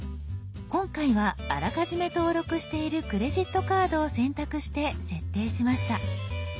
今回はあらかじめ登録しているクレジットカードを選択して設定しました。